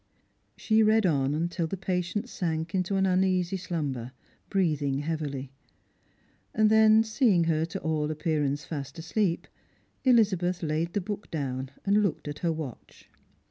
She read on till the patient sank into an uneasy slumber, breathing heavily. And then, seeing her to all appearance fast asleep, Elizabeth laid the book down, and looked at her watch.